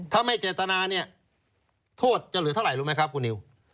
ถ้าไม่เจตนาเนี่ยโทษจะเหลือเท่าไหร่รู้ไหมครับคุณนิว